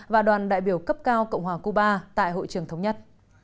và đoàn đại biểu cấp cao cộng hòa cuba tại hội trường thống nhất